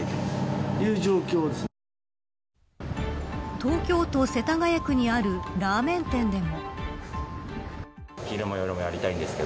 東京都世田谷区にあるラーメン店でも。